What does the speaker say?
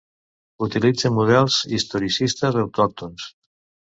Utilitza models historicistes autòctons.